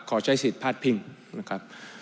ขอใช้สิทธิ์พาดพิงนะครับ